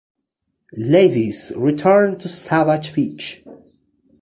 Ladies: Return to Savage Beach".